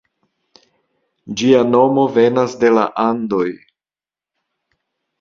Ĝia nomo venas de la Andoj.